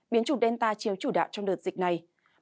biến chủ delta chiều chủ đạo trong đợt dịch này